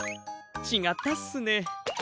ちがったっすね。